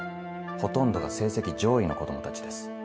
ほとんどが成績上位の子供たちです。